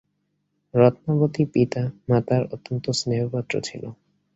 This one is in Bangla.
রত্নাবতী পিতা মাতার অত্যন্ত স্নেহপাত্র ছিল।